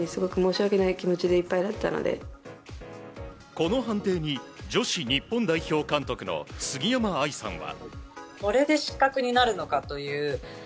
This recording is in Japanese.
この判定に女子日本代表監督の杉山愛さんは。